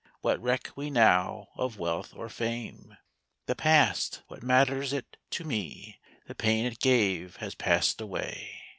What reck we now of wealth or fame? The past what matters it to me? The pain it gave has passed away.